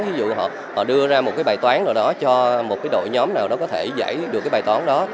ví dụ họ đưa ra một cái bài toán nào đó cho một cái đội nhóm nào đó có thể giải được cái bài toán đó